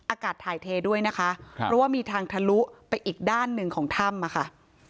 อากาศถ่ายเทด้วยนะคะครับเพราะว่ามีทางทะลุไปอีกด้านหนึ่งของถ้ำมาค่ะ